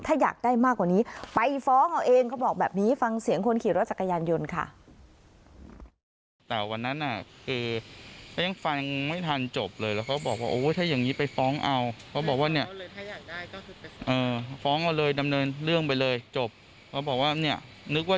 ถ้าอยากได้มากกว่านี้ไปฟ้องเอาเองเขาบอกแบบนี้ฟังเสียงคนขี่รถจักรยานยนต์ค่ะ